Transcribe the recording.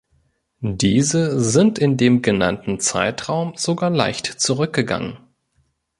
Diese sind in dem genannten Zeitraum sogar leicht zurückgegangen.